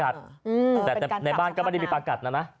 แต่ในบ้านก็ไม่ได้มีปากัดนะนะ